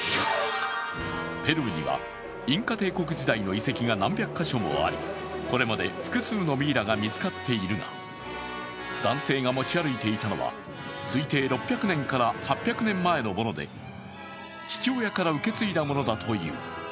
ペルーにはインカ帝国時代の遺跡が何百か所もあり、これまで複数のミイラが見つかっているが男性が持ち歩いていたのは推定６００年から８００年前のもので父親から受け継いだものだという。